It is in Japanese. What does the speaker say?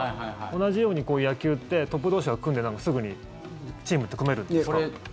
同じように野球ってトップ同士が組んですぐにチームって組めるんですか？